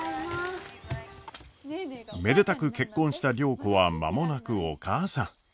めでたく結婚した良子は間もなくお母さん。